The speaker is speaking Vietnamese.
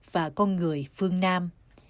và con người phương nam